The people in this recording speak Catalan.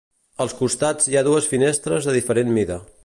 Als costats hi ha dues finestres de diferent mida.